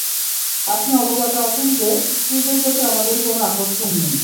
আপনি অবগত আছেন যে, স্ত্রীদের প্রতি আমাদের কোন আকর্ষণ নেই।